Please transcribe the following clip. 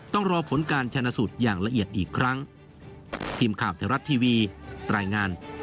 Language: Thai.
ต้องรอผลการชนะสูตรอย่างละเอียดอีกครั้ง